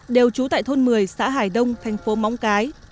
đều trú tại thôn một mươi xã hải đông thành phố móng cái